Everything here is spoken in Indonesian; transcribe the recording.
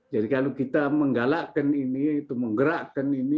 jadi kalau kita menggalakkan ini itu menggerakkan ini